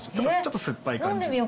ちょっと酸っぱい感じ。